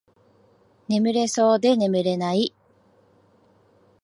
眠れそうで眠れない